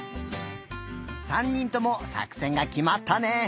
３にんともさくせんがきまったね。